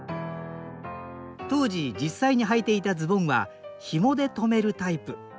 当時実際にはいていたズボンはひもでとめるタイプ。